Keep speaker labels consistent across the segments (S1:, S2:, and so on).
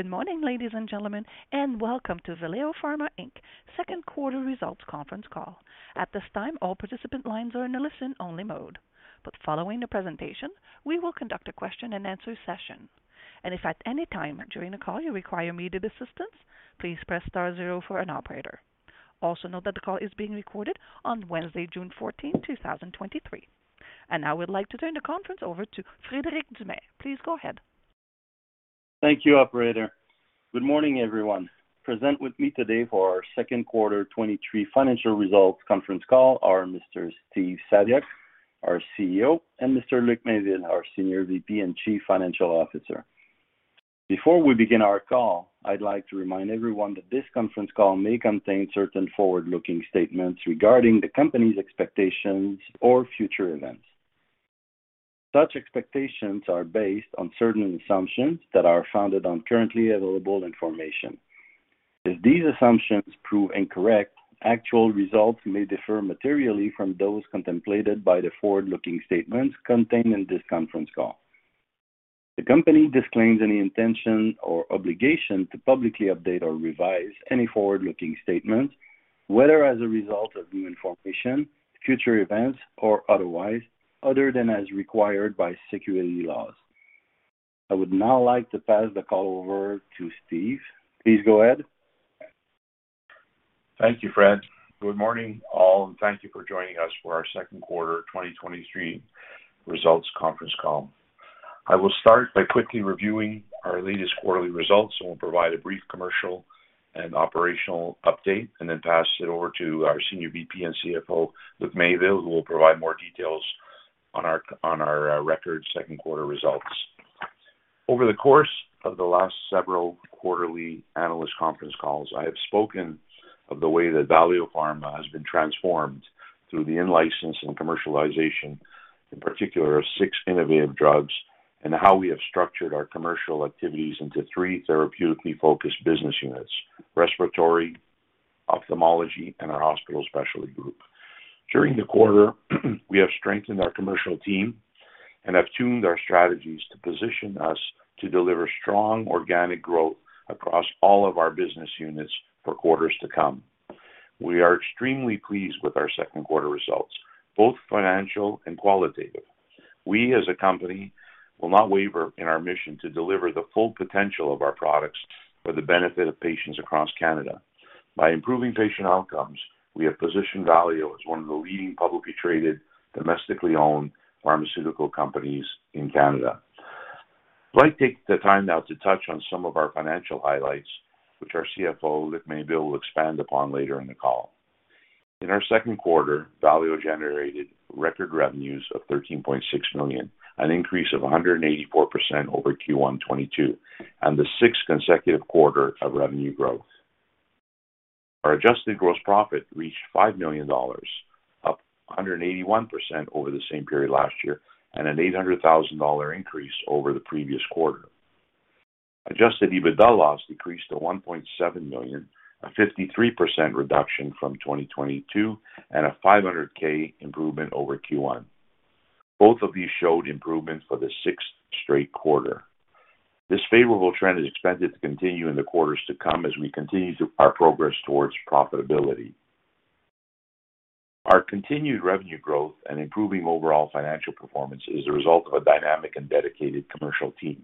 S1: Good morning, ladies and gentlemen, and welcome to Valeo Pharma Inc.'s second quarter results conference call. At this time, all participant lines are in a listen-only mode, but following the presentation, we will conduct a question-and-answer session. If at any time during the call you require immediate assistance, please press star zero for an operator. Also, note that the call is being recorded on Wednesday, June 14, 2023. Now I would like to turn the conference over to Frederic Dumais. Please go ahead.
S2: Thank you, operator. Good morning, everyone. Present with me today for our second quarter 2023 financial results conference call are Mr. Steve Saviuk, our CEO, and Mr. Luc Mainville, our Senior VP and Chief Financial Officer. Before we begin our call, I'd like to remind everyone that this conference call may contain certain forward-looking statements regarding the company's expectations or future events. Such expectations are based on certain assumptions that are founded on currently available information. If these assumptions prove incorrect, actual results may differ materially from those contemplated by the forward-looking statements contained in this conference call. The company disclaims any intention or obligation to publicly update or revise any forward-looking statements, whether as a result of new information, future events, or otherwise, other than as required by security laws. I would now like to pass the call over to Steve. Please go ahead.
S3: Thank you, Fred. Good morning, all, and thank you for joining us for our second quarter 2023 results conference call. I will start by quickly reviewing our latest quarterly results and will provide a brief commercial and operational update and then pass it over to our Senior VP and CFO, Luc Mainville, who will provide more details on our record second quarter results. Over the course of the last several quarterly analyst conference calls, I have spoken of the way that Valeo Pharma has been transformed through the in-license and commercialization, in particular, of 6 innovative drugs, and how we have structured our commercial activities into 3 therapeutically focused business units: respiratory, ophthalmology, and our hospital specialty group. During the quarter, we have strengthened our commercial team and have tuned our strategies to position us to deliver strong organic growth across all of our business units for quarters to come. We are extremely pleased with our second quarter results, both financial and qualitative. We, as a company, will not waver in our mission to deliver the full potential of our products for the benefit of patients across Canada. By improving patient outcomes, we have positioned Valeo as one of the leading publicly traded, domestically owned pharmaceutical companies in Canada. I'd like to take the time now to touch on some of our financial highlights, which our CFO, Luc Mainville, will expand upon later in the call. In our second quarter, Valeo generated record revenues of 13.6 million, an increase of 184% over Q1 2022, and the sixth consecutive quarter of revenue growth. Our adjusted gross profit reached 5 million dollars, up 181% over the same period last year, and a 800,000 dollar increase over the previous quarter. Adjusted EBITDA loss decreased to 1.7 million, a 53% reduction from 2022 and a 500K improvement over Q1. Both of these showed improvements for the sixth straight quarter. This favorable trend is expected to continue in the quarters to come as we continue to our progress towards profitability. Our continued revenue growth and improving overall financial performance is a result of a dynamic and dedicated commercial team.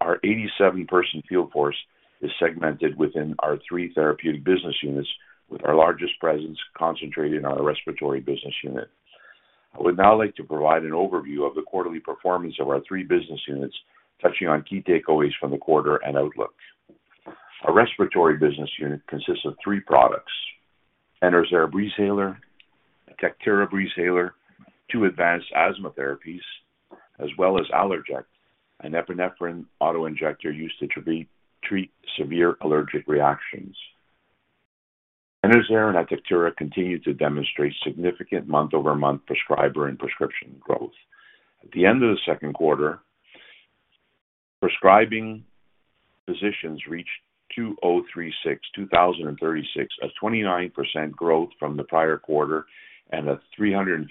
S3: Our 87-person field force is segmented within our three therapeutic business units, with our largest presence concentrated in our respiratory business unit. I would now like to provide an overview of the quarterly performance of our three business units, touching on key takeaways from the quarter and outlook. Our respiratory business unit consists of three products: Enerzair Breezhaler, Atectura Breezhaler, two advanced asthma therapies, as well as ALLERJECT, an epinephrine auto-injector used to treat severe allergic reactions. Enerzair and Atectura continue to demonstrate significant month-over-month prescriber and prescription growth. At the end of the second quarter, prescribing physicians reached 2,036, a 29% growth from the prior quarter and a 355%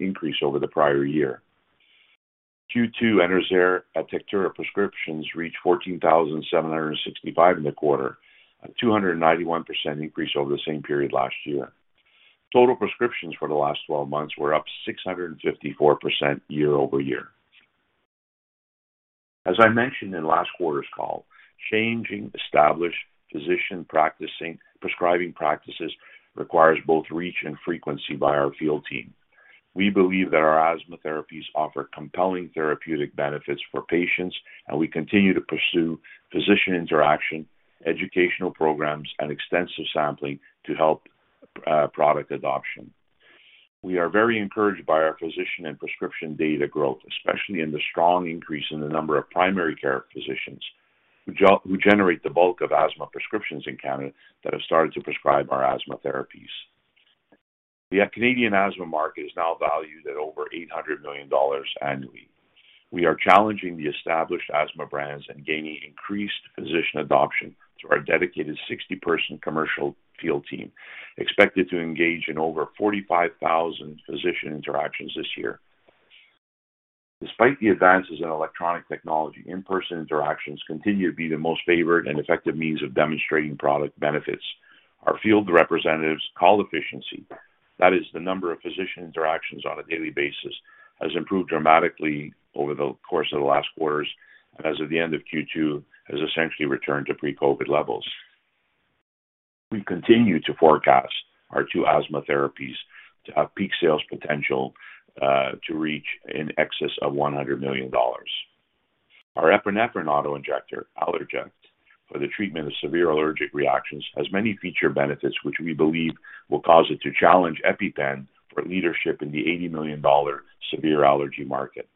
S3: increase over the prior year. Q2 Enerzair/Atectura prescriptions reached 14,765 in the quarter, a 291% increase over the same period last year. Total prescriptions for the last 12 months were up 654% year-over-year. As I mentioned in last quarter's call, changing established physician prescribing practices requires both reach and frequency by our field team. We believe that our asthma therapies offer compelling therapeutic benefits for patients, and we continue to pursue physician interaction, educational programs, and extensive sampling to help product adoption. We are very encouraged by our physician and prescription data growth, especially in the strong increase in the number of primary care physicians, who generate the bulk of asthma prescriptions in Canada that have started to prescribe our asthma therapies. The Canadian asthma market is now valued at over 800 million dollars annually. We are challenging the established asthma brands and gaining increased physician adoption through our dedicated 60-person commercial field team, expected to engage in over 45,000 physician interactions this year. Despite the advances in electronic technology, in-person interactions continue to be the most favored and effective means of demonstrating product benefits. Our field representatives' call efficiency, that is, the number of physician interactions on a daily basis, has improved dramatically over the course of the last quarters, and as of the end of Q2, has essentially returned to pre-COVID levels. We continue to forecast our two asthma therapies to have peak sales potential to reach in excess of 100 million dollars. Our epinephrine auto-injector, ALLERJECT, for the treatment of severe allergic reactions, has many feature benefits, which we believe will cause it to challenge EpiPen for leadership in the 80 million dollar severe allergy market.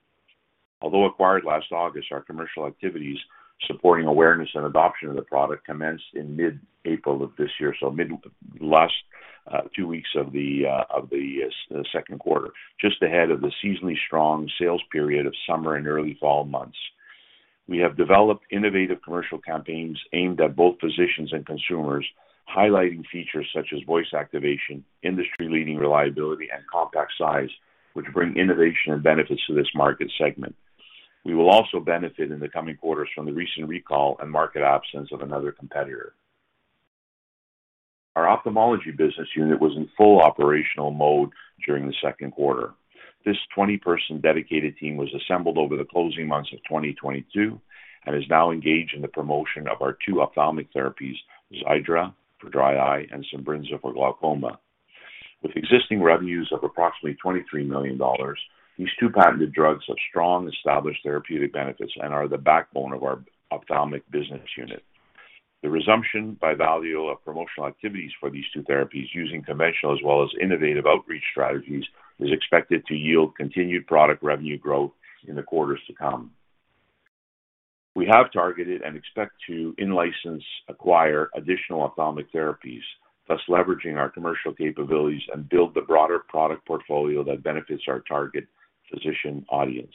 S3: Although acquired last August, our commercial activities supporting awareness and adoption of the product commenced in mid-April of this year. mid last 2 weeks of the second quarter, just ahead of the seasonally strong sales period of summer and early fall months. We have developed innovative commercial campaigns aimed at both physicians and consumers, highlighting features such as voice activation, industry-leading reliability, and compact size, which bring innovation and benefits to this market segment. We will also benefit in the coming quarters from the recent recall and market absence of another competitor. Our Ophthalmology Business Unit was in full operational mode during the second quarter. This 20-person dedicated team was assembled over the closing months of 2022 and is now engaged in the promotion of our 2 ophthalmic therapies, XIIDRA for dry eye and Simbrinza for glaucoma. With existing revenues of approximately $23 million, these 2 patented drugs have strong, established therapeutic benefits and are the backbone of our Ophthalmology Business Unit. The resumption by Valeo of promotional activities for these two therapies, using conventional as well as innovative outreach strategies, is expected to yield continued product revenue growth in the quarters to come. We have targeted and expect to in-license acquire additional ophthalmic therapies, thus leveraging our commercial capabilities and build the broader product portfolio that benefits our target physician audience.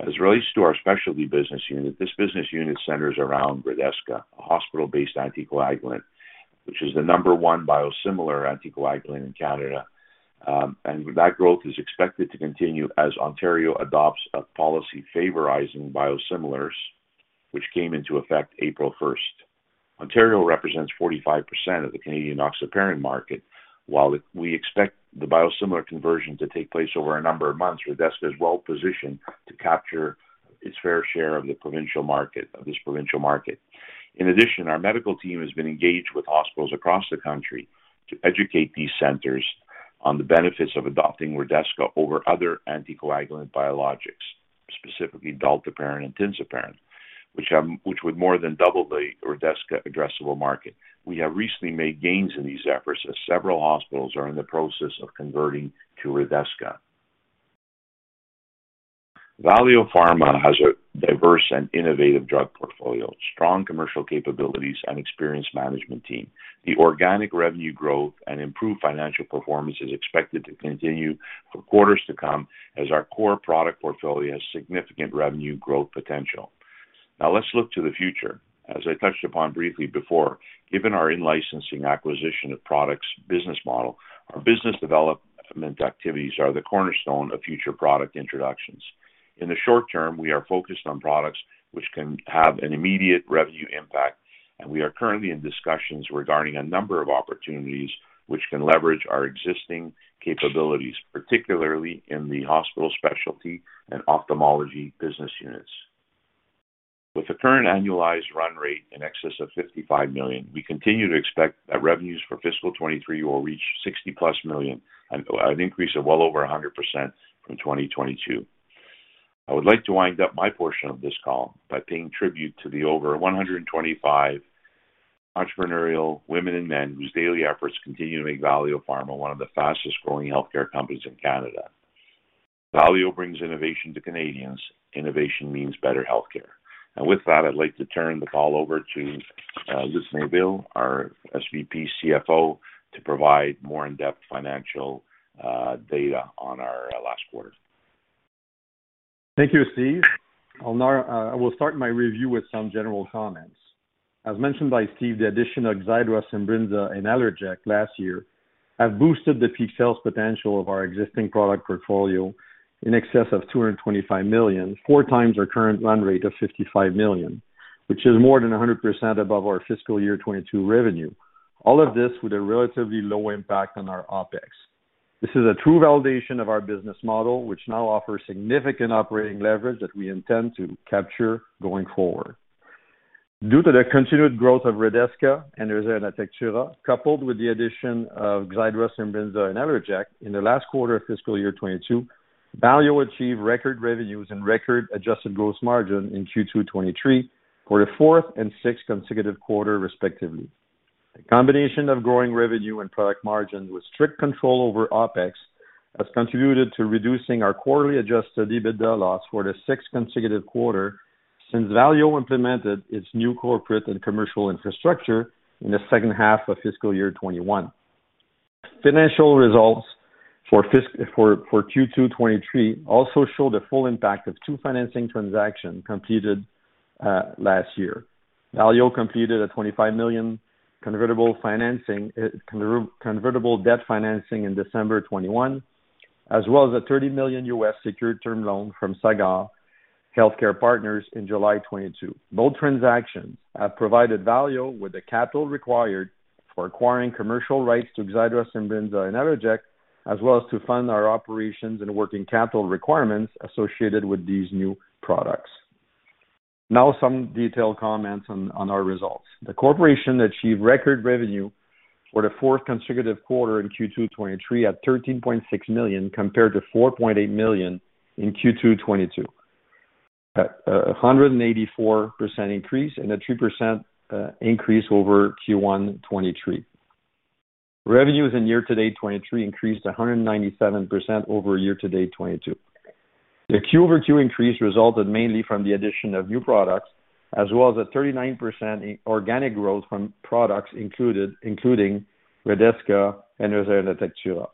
S3: As it relates to our specialty business unit, this business unit centers around Redesca, a hospital-based anticoagulant, which is the number one biosimilar anticoagulant in Canada. That growth is expected to continue as Ontario adopts a policy favoring biosimilars, which came into effect April first. Ontario represents 45% of the Canadian enoxaparin market. While we expect the biosimilar conversion to take place over a number of months, Redesca is well positioned to capture its fair share of this provincial market. In addition, our medical team has been engaged with hospitals across the country to educate these centers on the benefits of adopting Redesca over other anticoagulant biologics, specifically dalteparin and tinzaparin, which would more than double the Redesca addressable market. We have recently made gains in these efforts, as several hospitals are in the process of converting to Redesca. Valeo Pharma has a diverse and innovative drug portfolio, strong commercial capabilities, and experienced management team. The organic revenue growth and improved financial performance is expected to continue for quarters to come, as our core product portfolio has significant revenue growth potential. Let's look to the future. As I touched upon briefly before, given our in-licensing acquisition of products business model, our business development activities are the cornerstone of future product introductions. In the short term, we are focused on products which can have an immediate revenue impact, and we are currently in discussions regarding a number of opportunities which can leverage our existing capabilities, particularly in the hospital specialty and Ophthalmology Business Units. With the current annualized run rate in excess of 55 million, we continue to expect that revenues for fiscal 23 will reach 60+ million, an increase of well over 100% from 2022. I would like to wind up my portion of this call by paying tribute to the over 125 entrepreneurial women and men whose daily efforts continue to make Valeo Pharma one of the fastest-growing healthcare companies in Canada. Valeo brings innovation to Canadians. Innovation means better healthcare. With that, I'd like to turn the call over to Luc Mainville, our SVP CFO, to provide more in-depth financial data on our last quarter.
S4: Thank you, Steve. I will start my review with some general comments. As mentioned by Steve, the addition of XIIDRA, Simbrinza, and ALLERJECT last year have boosted the peak sales potential of our existing product portfolio in excess of 225 million, 4x our current run rate of 55 million, which is more than 100% above our fiscal year 2022 revenue. All of this with a relatively low impact on our OpEx. This is a true validation of our business model, which now offers significant operating leverage that we intend to capture going forward. Due to the continued growth of Redesca and Enerzair and Atectura, coupled with the addition of XIIDRA, Simbrinza, and ALLERJECT in the last quarter of fiscal year 2022, Valeo achieved record revenues and record adjusted gross margin in Q2 2023 for the fourth and sixth consecutive quarter, respectively. A combination of growing revenue and product margin with strict control over OpEx, has contributed to reducing our quarterly adjusted EBITDA loss for the sixth consecutive quarter since Valeo implemented its new corporate and commercial infrastructure in the second half of fiscal year 2021. Financial results for Q2 2023 also showed the full impact of two financing transactions completed last year. Valeo completed a $25 million convertible financing, convertible debt financing in December 2021, as well as a $30 million U.S. secured term loan from Sagard Healthcare Partners in July 2022. Both transactions have provided Valeo with the capital required for acquiring commercial rights to XIIDRA, Simbrinza, and ALLERJECT, as well as to fund our operations and working capital requirements associated with these new products. Now, some detailed comments on our results. The corporation achieved record revenue for the 4th consecutive quarter in Q2 2023 at 13.6 million, compared to 4.8 million in Q2 2022. A 184% increase and a 2% increase over Q1 2023. Revenues in year-to-date 2023 increased 197% over year-to-date 2022. The quarter-over-quarter increase resulted mainly from the addition of new products, as well as a 39% organic growth from products included, including Redesca and Enerzair, Atectura.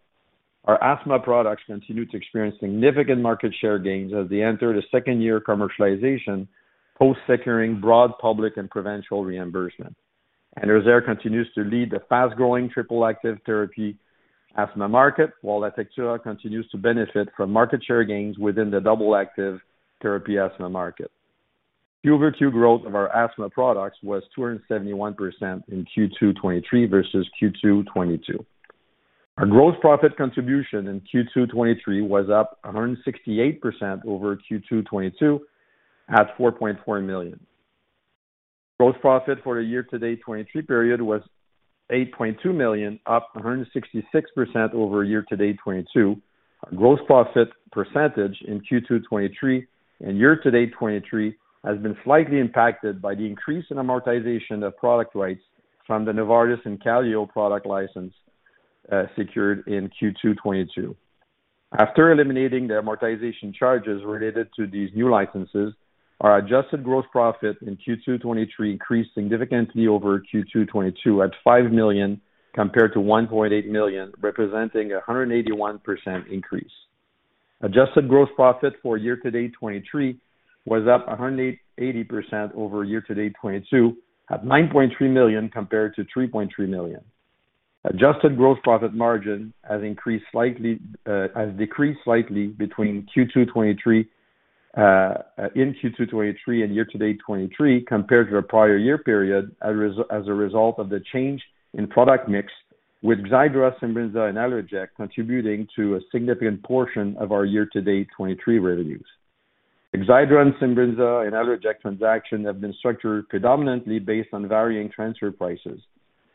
S4: Our asthma products continue to experience significant market share gains as they enter the 2nd year commercialization, post securing broad public and provincial reimbursement. Enerzair continues to lead the fast-growing triple active therapy asthma market, while Atectura continues to benefit from market share gains within the double active therapy asthma market. Q-o-Q growth of our asthma products was 271% in Q2 2023 versus Q2 2022. Our gross profit contribution in Q2 2023 was up 168% over Q2 2022, at 4.4 million. Gross profit for the year-to-date 2023 period was 8.2 million, up 166% over year-to-date 2022. Our gross profit percentage in Q2 2023 and year-to-date 2023 has been slightly impacted by the increase in amortization of product rights from the Novartis and Kaleo product license secured in Q2 2022. After eliminating the amortization charges related to these new licenses, our adjusted gross profit in Q2 2023 increased significantly over Q2 2022, at 5 million, compared to 1.8 million, representing a 181% increase. Adjusted gross profit for year-to-date 2023 was up 180% over year-to-date 2022, at 9.3 million compared to 3.3 million. Adjusted gross profit margin has decreased slightly between Q2 2023 and year-to-date 2023, compared to our prior year period, as a result of the change in product mix, with XIIDRA, Simbrinza, and ALLERJECT contributing to a significant portion of our year-to-date 2023 revenues. XIIDRA, Simbrinza, and ALLERJECT transaction have been structured predominantly based on varying transfer prices.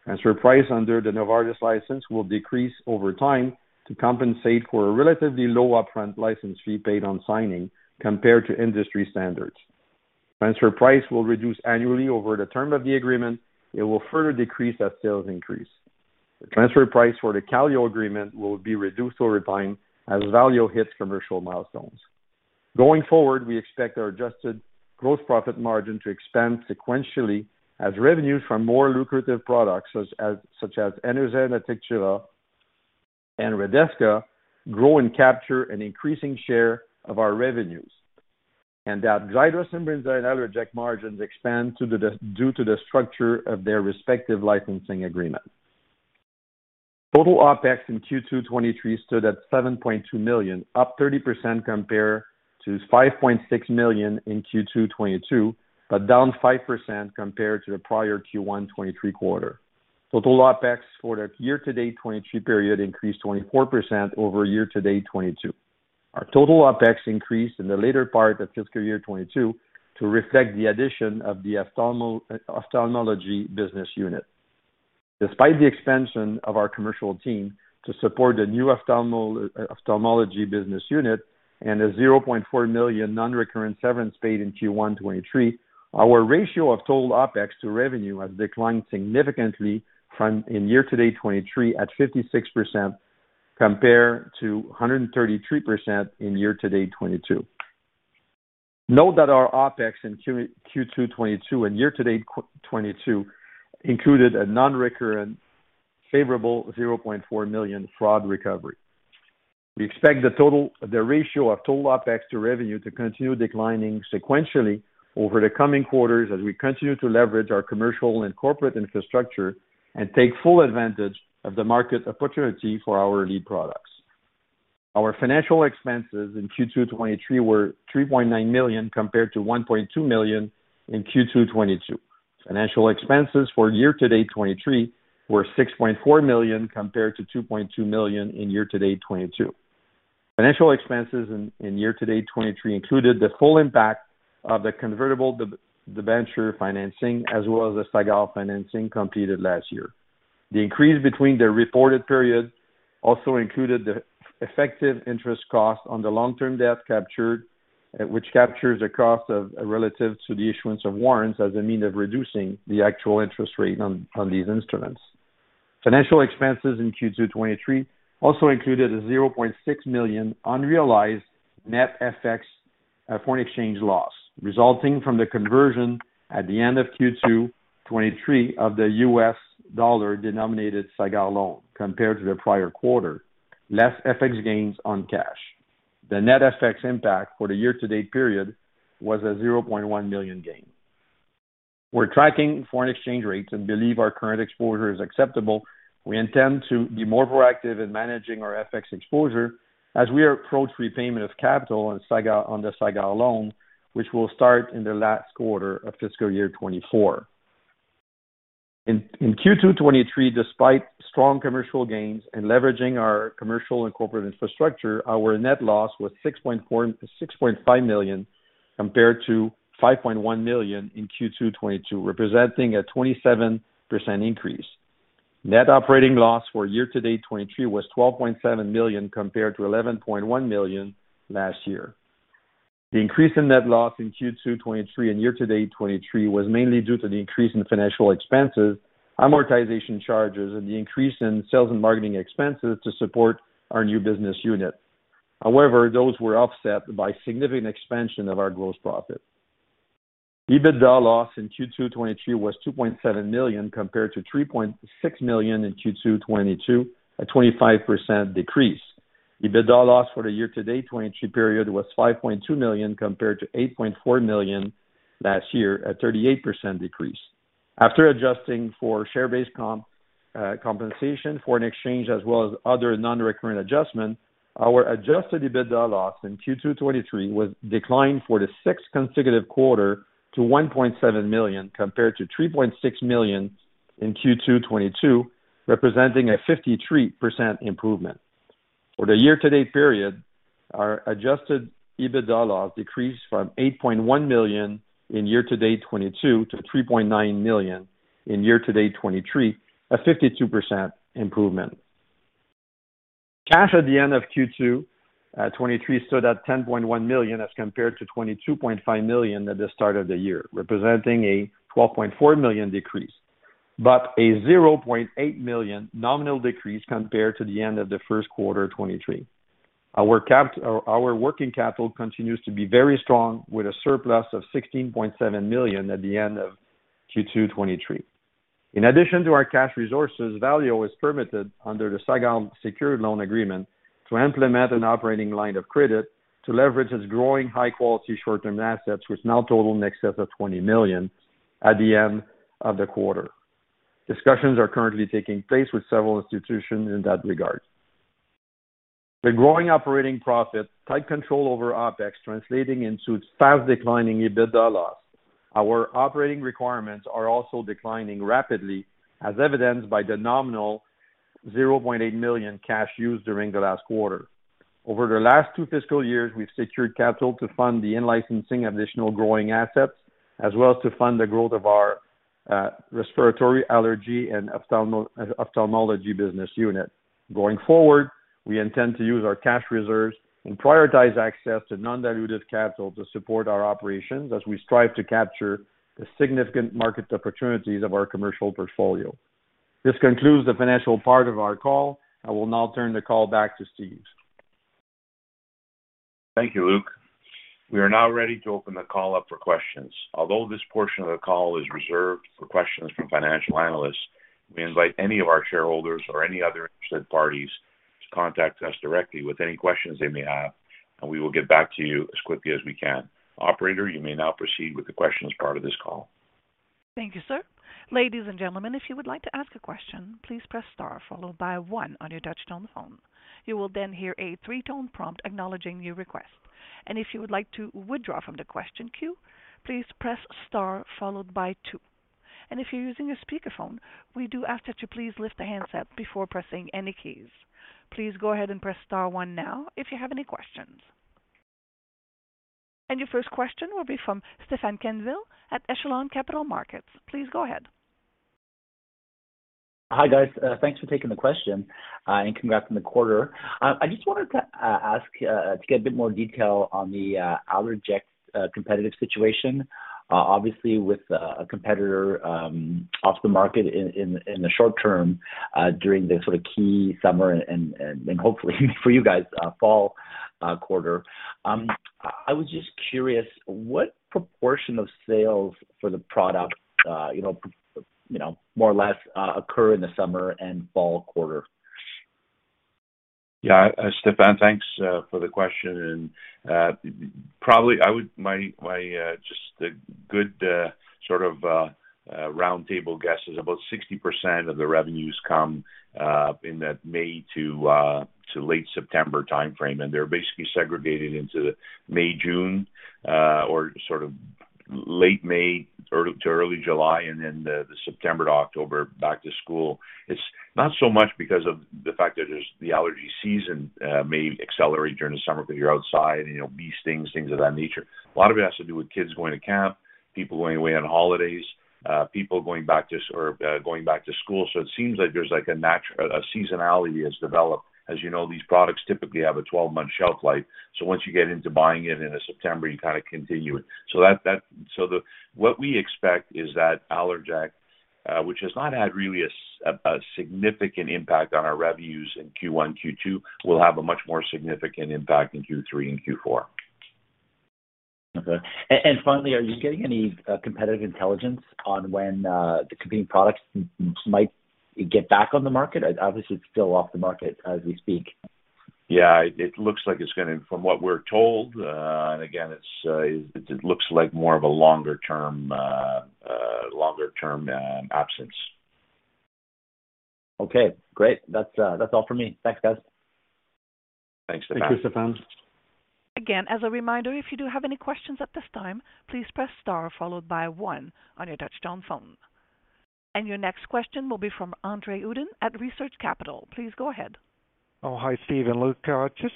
S4: Transfer price under the Novartis license will decrease over time to compensate for a relatively low upfront license fee paid on signing compared to industry standards. Transfer price will reduce annually over the term of the agreement. It will further decrease as sales increase. The transfer price for the Kaleo agreement will be reduced over time as Valeo hits commercial milestones. Going forward, we expect our adjusted growth profit margin to expand sequentially as revenues from more lucrative products, such as Enerzair, Atectura, and Redesca, grow and capture an increasing share of our revenues, and that XIIDRA, Simbrinza, and ALLERJECT margins expand due to the structure of their respective licensing agreements. Total OpEx in Q2 2023 stood at 7.2 million, up 30% compared to 5.6 million in Q2 2022, down 5% compared to the prior Q1 2023 quarter. Total OpEx for the year-to-date 2023 period increased 24% over year-to-date 2022. Our total OpEx increased in the later part of fiscal year 2022 to reflect the addition of the Ophthalmology Business Unit. Despite the expansion of our commercial team to support the new Ophthalmology Business Unit and a 0.4 million non-recurrent severance paid in Q1 2023, our ratio of total OpEx to revenue has declined significantly from in year-to-date 2023 at 56%, compared to 133% in year-to-date 2022. Note that our OpEx in Q2 2022 and year-to-date 2022, included a non-recurrent, favorable 0.4 million fraud recovery. We expect the ratio of total OpEx to revenue to continue declining sequentially over the coming quarters as we continue to leverage our commercial and corporate infrastructure and take full advantage of the market opportunity for our lead products. Our financial expenses in Q2 2023 were 3.9 million, compared to 1.2 million in Q2 2022. Financial expenses for year-to-date 2023 were $6.4 million, compared to $2.2 million in year-to-date 2022. Financial expenses in year-to-date 2023 included the full impact of the convertible debenture financing, as well as the Sagard financing completed last year. The increase between the reported periods also included the effective interest cost on the long-term debt captured, which captures the cost of relative to the issuance of warrants as a mean of reducing the actual interest rate on these instruments. Financial expenses in Q2 2023 also included a $0.6 million unrealized net FX foreign exchange loss, resulting from the conversion at the end of Q2 2023 of the U.S. dollar-denominated Sagard loan compared to the prior quarter. Less FX gains on cash. The net FX impact for the year-to-date period was a $0.1 million gain. We're tracking foreign exchange rates and believe our current exposure is acceptable. We intend to be more proactive in managing our FX exposure as we approach repayment of capital on the Sagard loan, which will start in the last quarter of fiscal year 2024. In Q2 2023, despite strong commercial gains and leveraging our commercial and corporate infrastructure, our net loss was 6.5 million, compared to 5.1 million in Q2 2022, representing a 27% increase. Net operating loss for year-to-date 2023 was 12.7 million, compared to 11.1 million last year. The increase in net loss in Q2 2023 and year-to-date 2023 was mainly due to the increase in financial expenses, amortization charges, and the increase in sales and marketing expenses to support our new business unit. Those were offset by significant expansion of our gross profit. EBITDA loss in Q2 2023 was 2.7 million, compared to 3.6 million in Q2 2022, a 25% decrease. EBITDA loss for the year-to-date 2023 period was 5.2 million, compared to 8.4 million last year, a 38% decrease. After adjusting for share-based compensation, foreign exchange, as well as other non-recurrent adjustments, our adjusted EBITDA loss in Q2 2023 was declined for the sixth consecutive quarter to 1.7 million, compared to 3.6 million in Q2 2022, representing a 53% improvement. For the year-to-date period, our adjusted EBITDA loss decreased from 8.1 million in year-to-date 2022 to 3.9 million in year-to-date 2023, a 52% improvement. Cash at the end of Q2 2023 stood at 10.1 million, as compared to 22.5 million at the start of the year, representing a 12.4 million decrease, a 0.8 million nominal decrease compared to the end of the first quarter of 2023. Our working capital continues to be very strong, with a surplus of 16.7 million at the end of Q2 2023. In addition to our cash resources, Valeo is permitted under the Sagard secured loan agreement to implement an operating line of credit to leverage its growing high-quality short-term assets, which now total in excess of 20 million at the end of the quarter. Discussions are currently taking place with several institutions in that regard. The growing operating profit, tight control over OpEx, translating into fast declining EBITDA loss. Our operating requirements are also declining rapidly, as evidenced by the nominal 0.8 million cash used during the last quarter. Over the last two fiscal years, we've secured capital to fund the in-licensing additional growing assets, as well as to fund the growth of our respiratory, allergy, and Ophthalmology Business Unit. Going forward, we intend to use our cash reserves and prioritize access to non-dilutive capital to support our operations as we strive to capture the significant market opportunities of our commercial portfolio. This concludes the financial part of our call. I will now turn the call back to Steve.
S3: Thank you, Luc. We are now ready to open the call up for questions. This portion of the call is reserved for questions from financial analysts, we invite any of our shareholders or any other interested parties to contact us directly with any questions they may have, and we will get back to you as quickly as we can. Operator, you may now proceed with the questions part of this call.
S1: Thank you, sir. Ladies and gentlemen, if you would like to ask a question, please press star followed by 1 on your touchtone phone. You will then hear a 3-tone prompt acknowledging your request. If you would like to withdraw from the question queue, please press star followed by 2. If you're using a speakerphone, we do ask that you please lift the handset before pressing any keys. Please go ahead and press star 1 now if you have any questions. Your first question will be from Stefan Quenneville at Echelon Capital Markets. Please go ahead.
S5: Hi, guys. Thanks for taking the question, congrats on the quarter. I just wanted to ask to get a bit more detail on the ALLERJECT competitive situation. Obviously, with a competitor off the market in the short term, during the sort of key summer and hopefully for you guys, fall quarter. I was just curious, what proportion of sales for the product, you know, more or less, occur in the summer and fall quarter?
S3: Yeah, Stefan, thanks for the question. Probably my just the good sort of roundtable guess is about 60% of the revenues come in that May to late September timeframe. They're basically segregated into the May, June, or sort of late May or to early July, and then the September to October, back to school. It's not so much because of the fact that there's the allergy season may accelerate during the summer, but you're outside and, you know, bee stings, things of that nature. A lot of it has to do with kids going to camp, people going away on holidays, people going back to, or going back to school. It seems like there's like a natural seasonality has developed. As you know, these products typically have a 12-month shelf life, once you get into buying it in a September, you kind of continue it. What we expect is that ALLERJECT, which has not had really a significant impact on our revenues in Q1, Q2, will have a much more significant impact in Q3 and Q4....
S5: Okay. Finally, are you getting any competitive intelligence on when the competing products might get back on the market? Obviously, it's still off the market as we speak.
S3: Yeah, it looks like it's gonna, from what we're told, again, it's, it looks like more of a longer term, absence.
S5: Okay, great. That's all for me. Thanks, guys.
S3: Thanks, Stefan.
S4: Thank you, Stefan.
S1: Again, as a reminder, if you do have any questions at this time, please press star followed by one on your touchtone phone. Your next question will be from Andre Uddin at Research Capital. Please go ahead.
S6: Oh, hi, Steve and Luc. Just,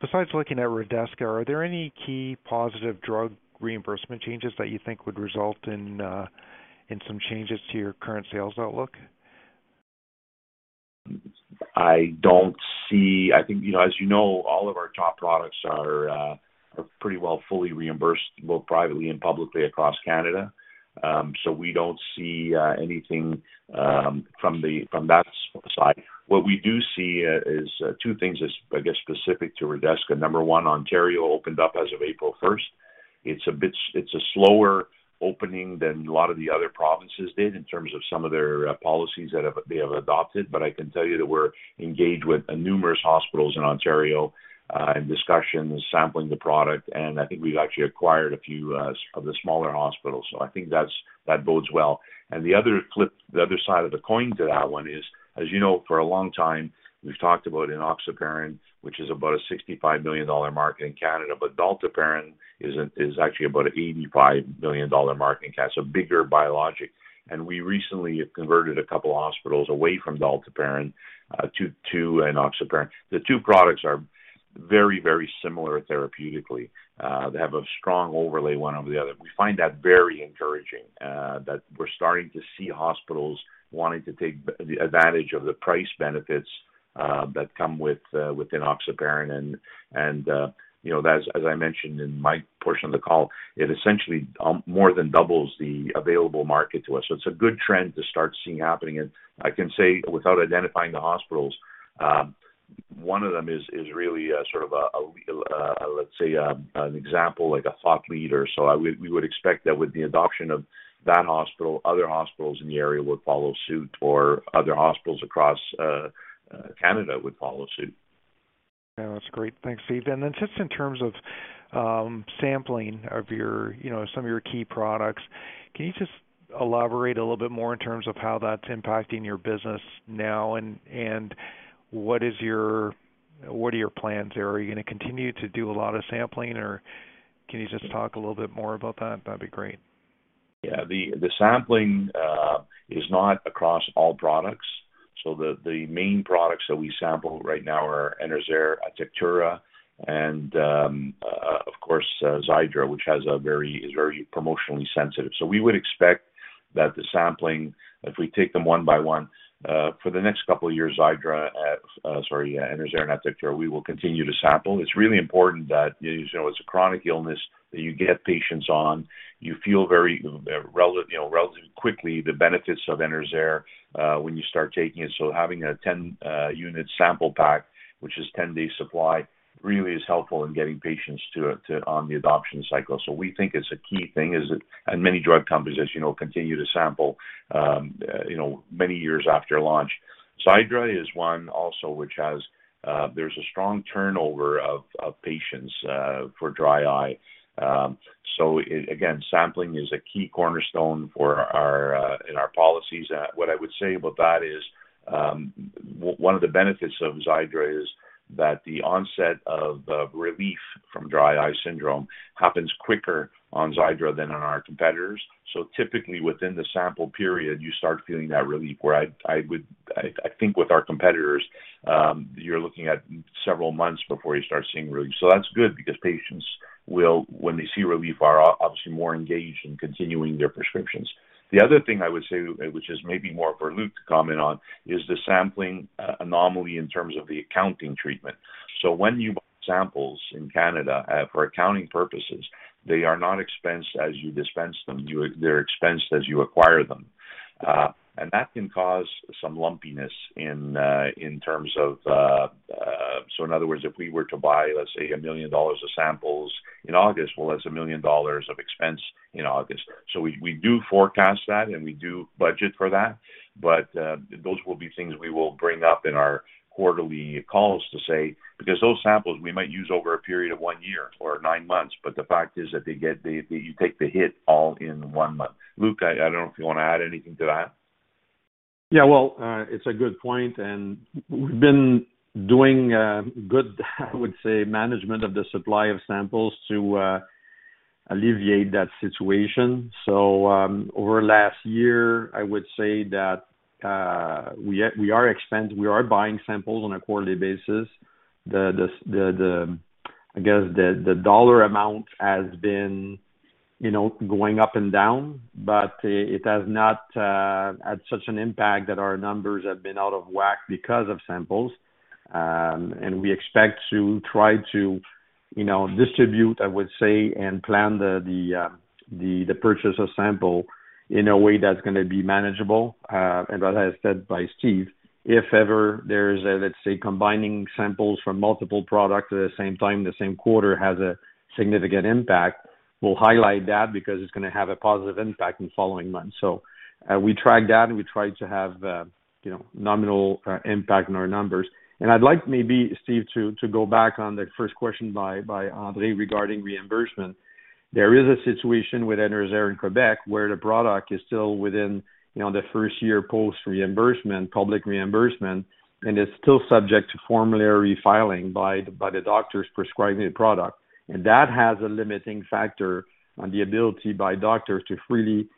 S6: besides looking at Redesca, are there any key positive drug reimbursement changes that you think would result in some changes to your current sales outlook?
S3: I don't see. I think, you know, all of our top products are pretty well fully reimbursed, both privately and publicly across Canada. We don't see anything from the, from that side. What we do see is two things, I guess, specific to Redesca. Number one, Ontario opened up as of April first. It's a slower opening than a lot of the other provinces did in terms of some of their policies they have adopted. I can tell you that we're engaged with numerous hospitals in Ontario, in discussions, sampling the product, and I think we've actually acquired a few of the smaller hospitals, so I think that's, that bodes well. The other clip, the other side of the coin to that one is, as you know, for a long time, we've talked about enoxaparin, which is about a 65 million dollar market in Canada, but dalteparin is actually about a 85 million dollar market in Canada, so bigger biologic. We recently converted a couple of hospitals away from dalteparin to enoxaparin. The two products are very similar therapeutically. They have a strong overlay, one over the other. We find that very encouraging that we're starting to see hospitals wanting to take advantage of the price benefits that come with enoxaparin. You know, as I mentioned in my portion of the call, it essentially more than doubles the available market to us. It's a good trend to start seeing happening. I can say, without identifying the hospitals, one of them is really sort of a, let's say, an example, like a thought leader. We would expect that with the adoption of that hospital, other hospitals in the area would follow suit, or other hospitals across Canada would follow suit.
S6: Yeah, that's great. Thanks, Steve. Then just in terms of sampling of your, you know, some of your key products, can you just elaborate a little bit more in terms of how that's impacting your business now? What are your plans there? Are you gonna continue to do a lot of sampling, or can you just talk a little bit more about that? That'd be great.
S3: The sampling is not across all products. The main products that we sample right now are ENERZAIR, ATECTURA, and of course, XIIDRA, which is very promotionally sensitive. We would expect that the sampling, if we take them one by one, for the next couple of years, XIIDRA, sorry, ENERZAIR and ATECTURA, we will continue to sample. It's really important that, you know, it's a chronic illness that you get patients on. You feel very, you know, relatively quickly, the benefits of ENERZAIR when you start taking it. Having a 10 unit sample pack, which is 10 days supply, really is helpful in getting patients to on the adoption cycle. We think it's a key thing, is it. Many drug companies, as you know, continue to sample, you know, many years after launch. XIIDRA is one also, which has, there's a strong turnover of patients for dry eye. Again, sampling is a key cornerstone for our in our policies. What I would say about that is, one of the benefits of XIIDRA is that the onset of relief from dry eye syndrome happens quicker on XIIDRA than on our competitors. Typically, within the sample period, you start feeling that relief, where I think with our competitors, you're looking at several months before you start seeing relief. That's good because patients will, when they see relief, are obviously more engaged in continuing their prescriptions. The other thing I would say, which is maybe more for Luc to comment on, is the sampling anomaly in terms of the accounting treatment. When you samples in Canada, for accounting purposes, they are not expensed as you dispense them, they're expensed as you acquire them. And that can cause some lumpiness in terms of. In other words, if we were to buy, let's say, 1 million dollars of samples in August, well, that's 1 million dollars of expense in August. We do forecast that, and we do budget for that, but those will be things we will bring up in our quarterly calls to say, because those samples we might use over a period of 1 year or 9 months, but the fact is that they get, you take the hit all in 1 month. Luc, I don't know if you want to add anything to that.
S4: Well, it's a good point, and we've been doing good, I would say, management of the supply of samples to alleviate that situation. Over last year, I would say that we are buying samples on a quarterly basis. The CAD dollar amount has been, I guess, you know, going up and down, but it has not had such an impact that our numbers have been out of whack because of samples. We expect to try to, you know, distribute, I would say, and plan the purchase of sample in a way that's gonna be manageable. As said by Steve, if ever there's a, let's say, combining samples from multiple products at the same time, the same quarter, has a significant impact, we'll highlight that because it's gonna have a positive impact in the following months. We track that, and we try to have, you know, nominal impact on our numbers. I'd like maybe, Steve, to go back on the first question by Andre regarding reimbursement. There is a situation with Enerzair in Quebec, where the product is still within, you know, the first year post reimbursement, public reimbursement, and it's still subject to formulary filing by the doctors prescribing the product. That has a limiting factor on the ability by doctors to freely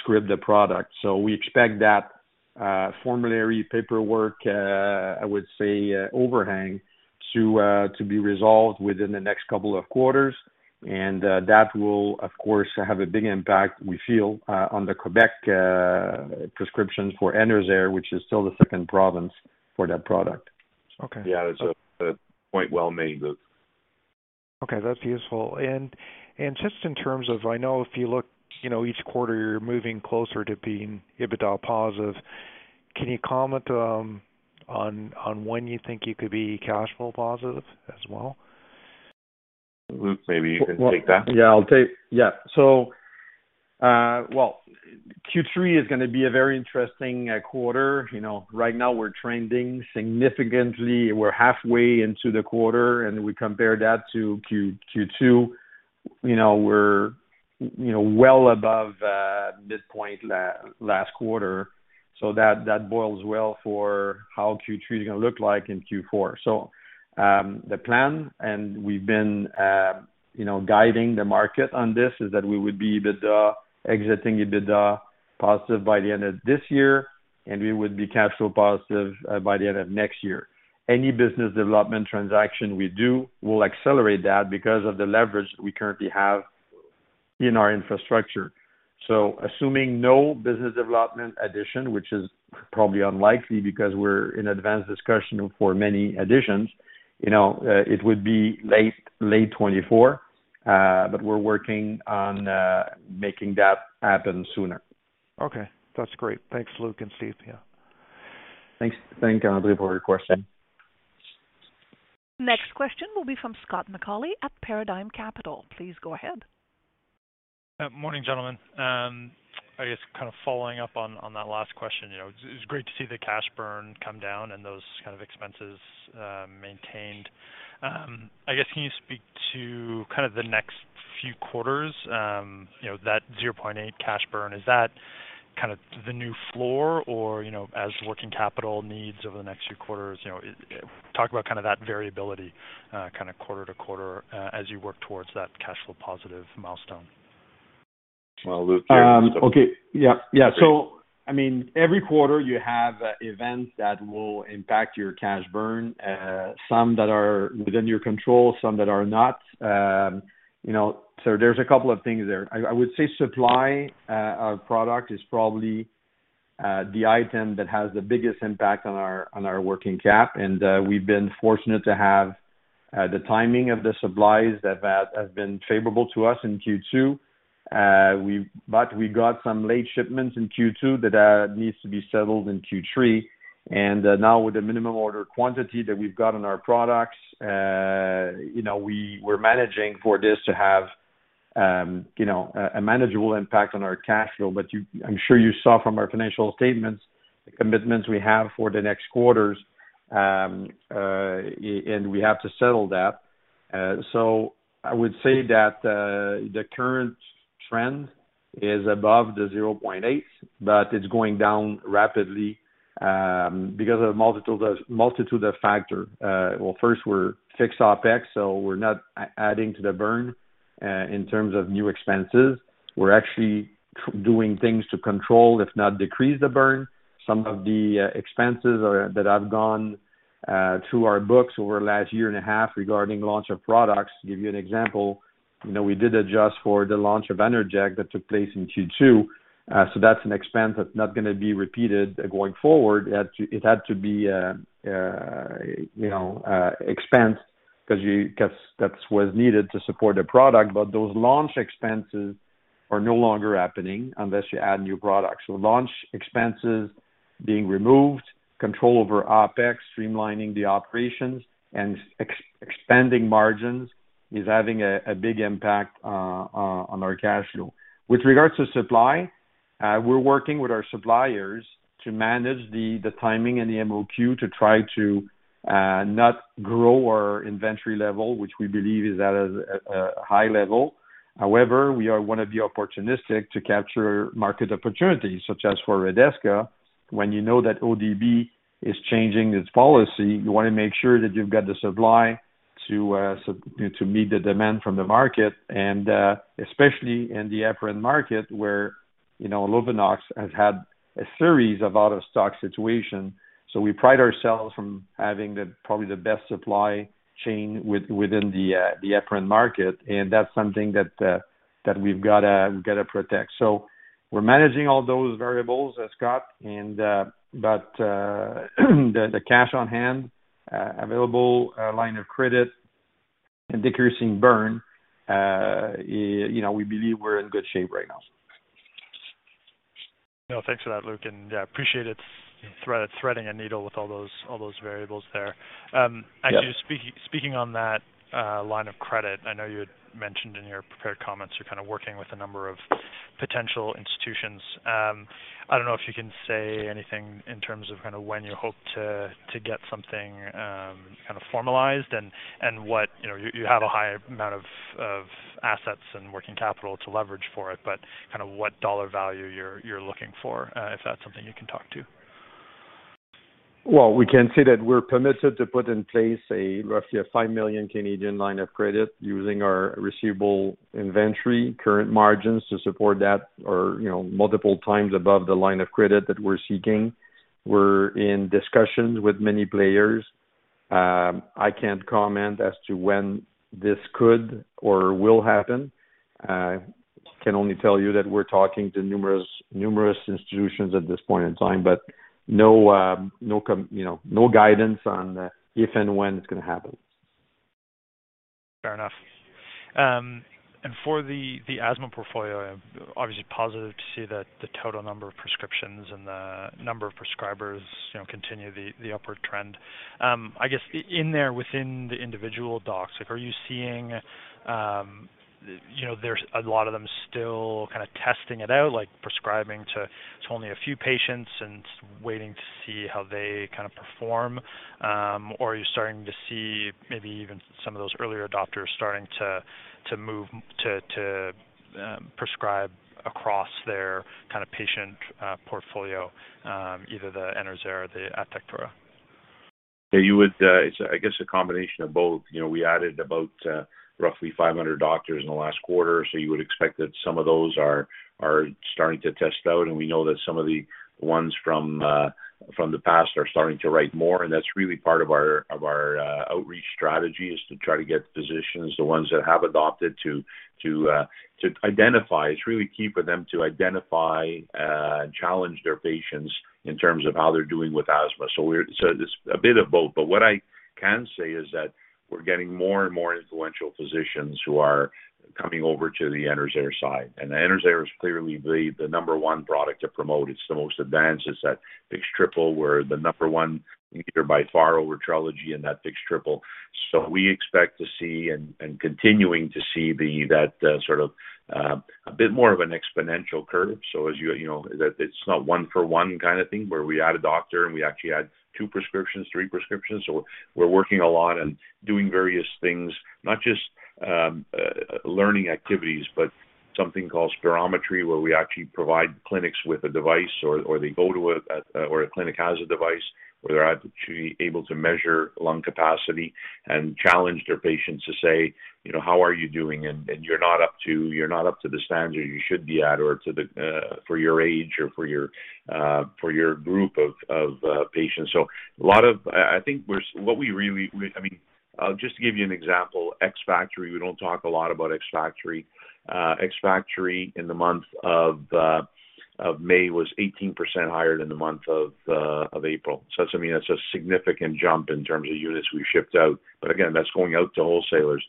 S4: script the product. We expect that formulary paperwork, I would say, overhang to be resolved within the next couple of quarters, and that will, of course, have a big impact, we feel, on the Quebec prescriptions for Enerzair, which is still the second province for that product.
S6: Okay.
S3: Yeah, it's, quite well made, Luc.
S6: Okay, that's useful. Just in terms of, I know if you look, you know, each quarter you're moving closer to being EBITDA positive, can you comment on when you think you could be cash flow positive as well?
S3: Luc, maybe you can take that.
S4: Yeah. Well, Q3 is gonna be a very interesting quarter. You know, right now we're trending significantly. We're halfway into the quarter, and we compare that to Q2. You know, we're, you know, well above this point last quarter, so that boils well for how Q3 is gonna look like in Q4. The plan, and we've been, you know, guiding the market on this, is that we would be exiting EBITDA positive by the end of this year, and we would be cash flow positive by the end of next year. Any business development transaction we do, will accelerate that because of the leverage we currently have in our infrastructure. Assuming no business development addition, which is probably unlikely because we're in advanced discussion for many additions, you know, it would be late 2024, but we're working on making that happen sooner.
S6: Okay. That's great. Thanks, Luc and Steve. Yeah.
S4: Thanks. Thank Andre, for your question.
S1: Next question will be from Scott McAuley at Paradigm Capital. Please go ahead.
S7: Morning, gentlemen. I guess kind of following up on that last question, you know, it's great to see the cash burn come down and those kind of expenses, maintained. I guess, can you speak to kind of the next few quarters, you know, that 0.8 cash burn, is that kind of the new floor, or, you know, as working capital needs over the next few quarters, you know, talk about kind of that variability, kinda quarter to quarter, as you work towards that cash flow positive milestone?
S3: Well, Luc.
S4: Okay. Yeah. I mean, every quarter you have events that will impact your cash burn, some that are within your control, some that are not. You know, there's a couple of things there. I would say supply of product is probably the item that has the biggest impact on our working cap, and we've been fortunate to have the timing of the supplies that have been favorable to us in Q2. But we got some late shipments in Q2 that needs to be settled in Q3, and now with the minimum order quantity that we've got on our products, you know, we're managing for this to have, you know, a manageable impact on our cash flow. I'm sure you saw from our financial statements, the commitments we have for the next quarters, and we have to settle that. I would say that the current trend is above the 0.8, but it's going down rapidly because of the multiple, the multitude of factors. Well, first we're fixed OpEx, so we're not adding to the burn in terms of new expenses. We're actually doing things to control, if not decrease the burn. Some of the expenses that have gone through our books over the last year and a half regarding launch of products, to give you an example, you know, we did adjust for the launch of Enerzair that took place in Q2. That's an expense that's not gonna be repeated going forward. It had to be expense, 'cause that was needed to support the product. Those launch expenses are no longer happening unless you add new products. Launch expenses being removed, control over OpEx, streamlining the operations, and expanding margins is having a big impact on our cash flow. With regards to supply, we're working with our suppliers to manage the timing and the MOQ to try to not grow our inventory level, which we believe is at a high level. However, we are wanna be opportunistic to capture market opportunities, such as for Redesca. When you know that ODB is changing its policy, you wanna make sure that you've got the supply to meet the demand from the market, and especially in the heparin market, where, you know, Lovenox has had a series of out-of-stock situations. We pride ourselves from having probably the best supply chain within the heparin market, and that's something that we've gotta protect. We're managing all those variables, Scott, but the cash on hand available line of credit and decreasing burn, you know, we believe we're in good shape right now.
S7: No, thanks for that, Luc, and, yeah, appreciate it. Fred, threading a needle with all those, all those variables there.
S4: Yeah.
S7: Actually, speaking on that line of credit, I know you had mentioned in your prepared comments you're kind of working with a number of potential institutions. I don't know if you can say anything in terms of kind of when you hope to get something kind of formalized and what, you know, you have a high amount of assets and working capital to leverage for it, but kind of what dollar value you're looking for, if that's something you can talk to?
S4: We can say that we're permitted to put in place a roughly a 5 million line of credit using our receivable inventory, current margins to support that or, you know, multiple times above the line of credit that we're seeking. We're in discussions with many players. I can't comment as to when this could or will happen. I can only tell you that we're talking to numerous institutions at this point in time, but no, you know, no guidance on if and when it's gonna happen.
S7: Fair enough. For the asthma portfolio, obviously positive to see that the total number of prescriptions and the number of prescribers, you know, continue the upward trend. I guess in there, within the individual docs, like, are you seeing, you know, there's a lot of them still kind of testing it out, like prescribing to only a few patients and waiting to see how they kind of perform? Or are you starting to see maybe even some of those earlier adopters starting to move to prescribe across their kind of patient portfolio, either the Enerzair or the Atectura?
S3: Yeah, you would, it's, I guess, a combination of both. You know, we added about, roughly 500 doctors in the last quarter, so you would expect that some of those are starting to test out. We know that some of the ones from the past are starting to write more, and that's really part of our outreach strategy, is to try to get physicians, the ones that have adopted, to identify. It's really key for them to identify and challenge their patients in terms of how they're doing with asthma. It's a bit of both, but what I can say is that we're getting more and more influential physicians who are coming over to the Enerzair side, and the Enerzair is clearly the number one product to promote. It's the most advanced. It's that fixed triple, where the number one, either by far over Trelegy in that fixed triple. We expect to see and continuing to see the that sort of a bit more of an exponential curve. As you know, that it's not one for one kind of thing, where we add a doctor and we actually add two prescriptions, three prescriptions. We're working a lot and doing various things, not just learning activities, but something called spirometry, where we actually provide clinics with a device, or they go to a clinic has a device, where they're actually able to measure lung capacity and challenge their patients to say, you know, "How are you doing? You're not up to the standard you should be at or to the for your age or for your for your group of patients. I think what we really, I mean, just to give you an example, ex factory, we don't talk a lot about ex factory. Ex factory in the month of May was 18% higher than the month of April. That's, I mean, that's a significant jump in terms of units we shipped out. Again, that's going out to wholesalers.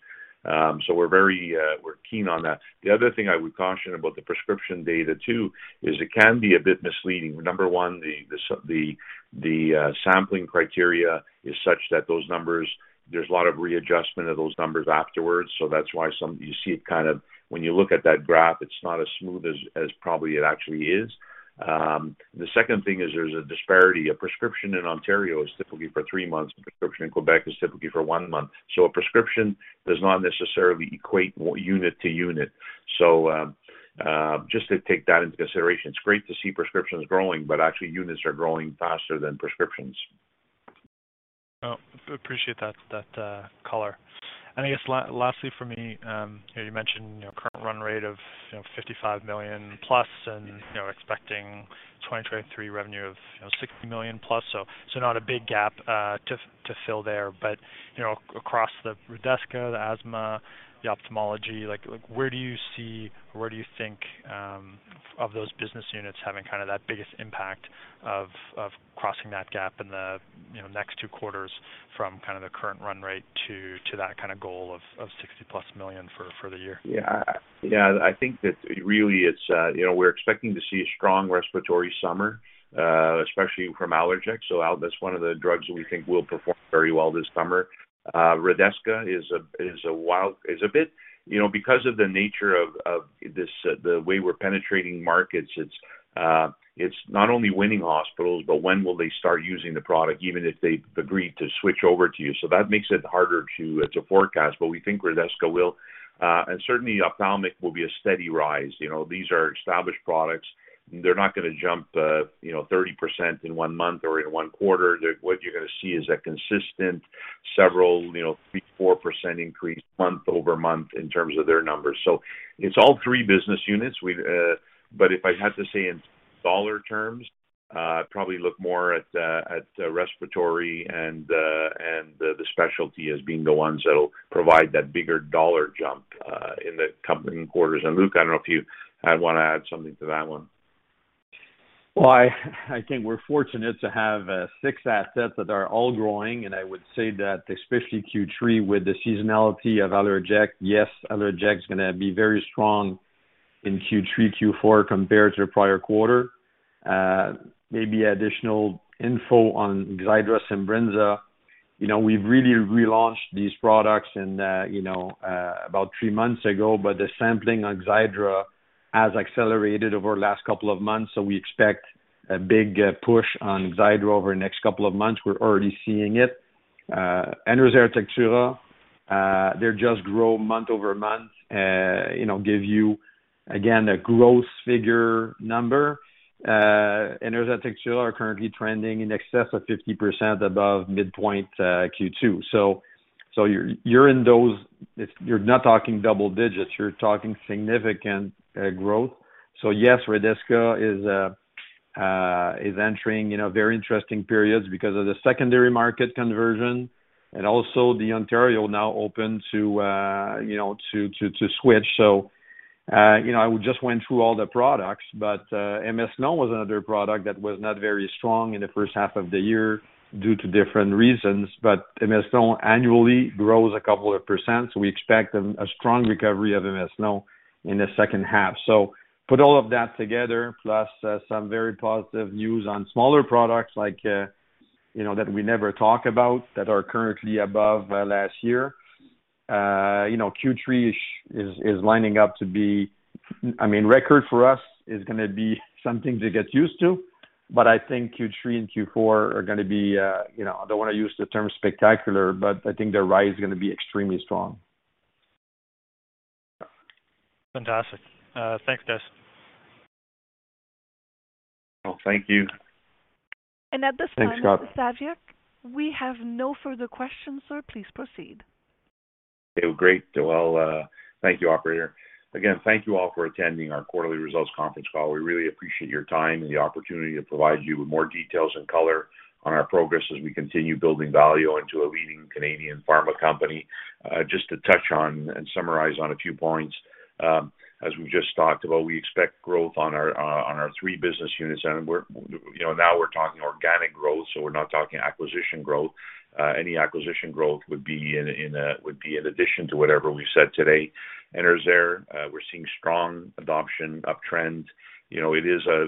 S3: We're very, we're keen on that. The other thing I would caution about the prescription data, too, is it can be a bit misleading. Number one, the sampling criteria is such that those numbers, there's a lot of readjustment of those numbers afterwards. That's why some, you see it kind of. When you look at that graph, it's not as smooth as probably it actually is. The second thing is there's a disparity. A prescription in Ontario is typically for 3 months. A prescription in Quebec is typically for 1 month. A prescription does not necessarily equate unit to unit. Just to take that into consideration, it's great to see prescriptions growing, but actually units are growing faster than prescriptions.
S7: Oh, appreciate that color. I guess lastly for me, you mentioned, you know, current run rate of, you know, 55 million+ and, you know, expecting 2023 revenue of, you know, 60 million+. Not a big gap to fill there. You know, across the Redesca, the asthma, the ophthalmology, like, where do you see or where do you think of those business units having kind of that biggest impact of crossing that gap in the, you know, next two quarters from kind of the current run rate to that kind of goal of 60+ million for the year?
S3: Yeah, I think that really it's, you know, we're expecting to see a strong respiratory summer, especially from ALLERJECT. That's one of the drugs we think will perform very well this summer. Redesca is a wild, is a bit, you know, because of the nature of this, the way we're penetrating markets, it's not only winning hospitals, but when will they start using the product, even if they've agreed to switch over to you? That makes it harder to forecast, but we think Redesca will, and certainly ophthalmic will be a steady rise. You know, these are established products. They're not gonna jump, you know, 30% in one month or in one quarter. What you're gonna see is a consistent, several, you know, 3%-4% increase month-over-month in terms of their numbers. It's all three business units. We'd. If I had to say in dollar terms, I'd probably look more at respiratory and the specialty as being the ones that'll provide that bigger dollar jump in the coming quarters. Luc, I don't know if you want to add something to that one?
S4: Well, I think we're fortunate to have six assets that are all growing, and I would say that especially Q3, with the seasonality of ALLERJECT, yes, ALLERJECT is gonna be very strong in Q3, Q4 compared to the prior quarter. Maybe additional info on XIIDRA, Simbrinza. You know, we've really relaunched these products and, you know, about three months ago, but the sampling on XIIDRA has accelerated over the last couple of months, so we expect a big push on XIIDRA over the next couple of months. We're already seeing it. Enerzair, Atectura, they just grow month-over-month, you know, give you, again, a growth figure number. Enerzair, Atectura are currently trending in excess of 50% above midpoint, Q2. You're in those if you're not talking double digits, you're talking significant growth. Yes, Redesca is entering, you know, very interesting periods because of the secondary market conversion and also the Ontario now open to, you know, to switch. I just went through all the products, but M-Eslon was another product that was not very strong in the first half of the year due to different reasons, but M-Eslon annually grows a couple of %. We expect a strong recovery of M-Eslon in the second half. Put all of that together, plus some very positive news on smaller products like, you know, that we never talk about, that are currently above last year. you know, Q3 is lining up to be, I mean, record for us is gonna be something to get used to, but I think Q3 and Q4 are gonna be, you know, I don't wanna use the term spectacular, but I think the rise is gonna be extremely strong.
S7: Fantastic. Thanks, guys.
S4: Well, thank you.
S1: At this time, Steve Saviuk, we have no further questions, sir. Please proceed.
S3: Great. Well, thank you, operator. Again, thank you all for attending our quarterly results conference call. We really appreciate your time and the opportunity to provide you with more details and color on our progress as we continue building Valeo into a leading Canadian pharma company. Just to touch on and summarize on a few points, as we just talked about, we expect growth on our three business units. We're, you know, now we're talking organic growth, so we're not talking acquisition growth. Any acquisition growth would be in addition to whatever we've said today. Enerzair, we're seeing strong adoption, uptrend. You know, it is a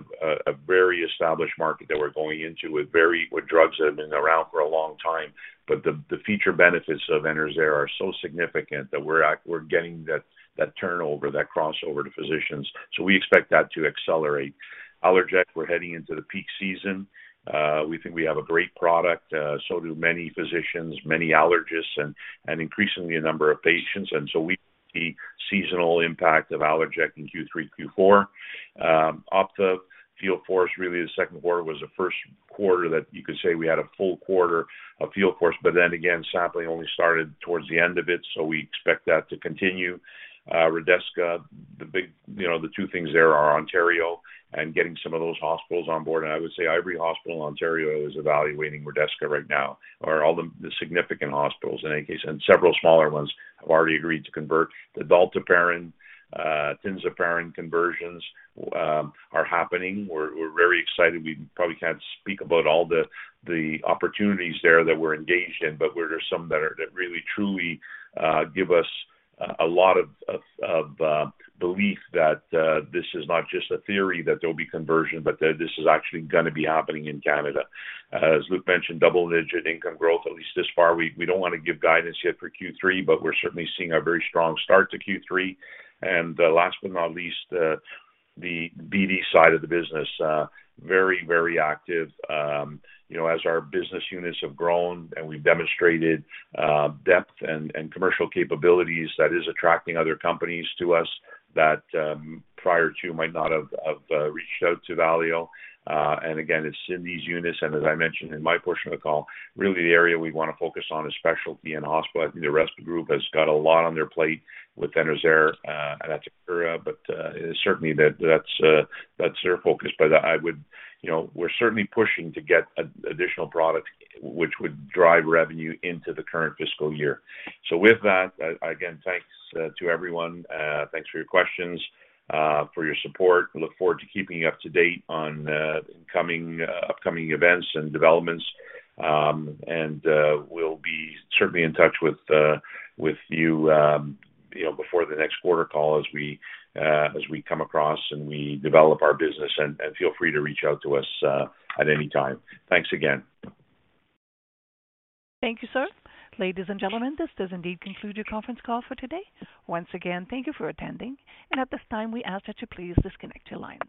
S3: very established market that we're going into with drugs that have been around for a long time. The future benefits of Enerzair are so significant that we're getting that turnover, that crossover to physicians. We expect that to accelerate. ALLERJECT, we're heading into the peak season. We think we have a great product, so do many physicians, many allergists, and increasingly a number of patients. We see seasonal impact of ALLERJECT in Q3, Q4. Ophtha field force, really, the second quarter was the first quarter that you could say we had a full quarter of field force, but then again, sampling only started towards the end of it, so we expect that to continue. Redesca, the big, you know, the two things there are Ontario and getting some of those hospitals on board. I would say every hospital in Ontario is evaluating Redesca right now, or all the significant hospitals in any case, and several smaller ones have already agreed to convert. The dalteparin, tinzaparin conversions are happening. We're very excited. We probably can't speak about all the opportunities there that we're engaged in, but there are some that are, that really, truly give us a lot of belief that this is not just a theory that there will be conversion, but that this is actually gonna be happening in Canada. As Luc mentioned, double-digit income growth, at least this far. We don't want to give guidance yet for Q3, but we're certainly seeing a very strong start to Q3. Last but not least, the BD side of the business, very, very active. You know, as our business units have grown and we've demonstrated depth and commercial capabilities, that is attracting other companies to us that prior to might not have reached out to Valeo. Again, it's Simponi units, and as I mentioned in my portion of the call, really the area we wanna focus on is specialty and hospital. I think the rest of the group has got a lot on their plate with Enerzair and Atectura, certainly that's their focus. You know, we're certainly pushing to get additional product which would drive revenue into the current fiscal year. With that, again, thanks to everyone. Thanks for your questions, for your support. We look forward to keeping you up to date on upcoming events and developments. We'll be certainly in touch with you know, before the next quarter call as we as we come across and we develop our business. Feel free to reach out to us at any time. Thanks again.
S1: Thank you, sir. Ladies and gentlemen, this does indeed conclude your conference call for today. Once again, thank you for attending, and at this time, we ask that you please disconnect your line.